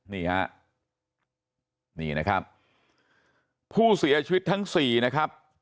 นี่ฮะนี่นะครับผู้เสียชีวิตทั้งสี่นะครับ